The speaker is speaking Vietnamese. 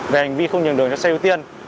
về hành vi không nhường đường cho xe ưu tiên